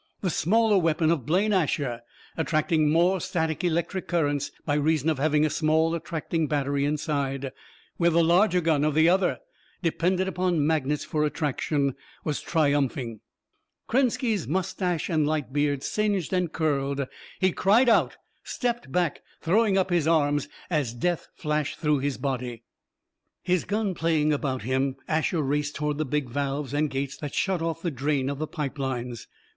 The smaller weapon of Blaine Asher, attracting more static electric currents by reason of having a small attracting battery inside, where the larger gun of the other depended upon magnets for attraction, was triumphing. Krenski's mustache and light beard singed and curled. He cried out, stepped back, throwing up his arms as death flashed through his body. His gun playing about him, Asher raced toward the big valves and gates that shut off the drain of the pipe lines.